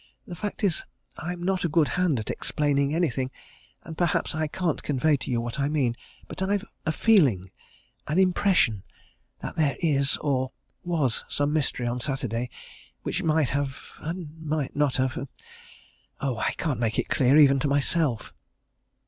The fact is, I'm not a good hand at explaining anything, and perhaps I can't convey to you what I mean. But I've a feeling an impression that there is or was some mystery on Saturday which might have and might not have oh, I can't make it clear, even to myself.